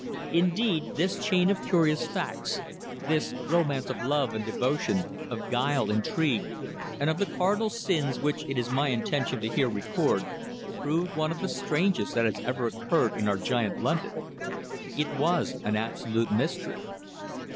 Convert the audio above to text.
Indeed, this chain of curious facts, this romance of love and devotion, of guile, intrigue, and of the cardinal sins which it is my intention to here record, proved one of the strangest that has ever occurred in our giant London. It was an absolute mystery.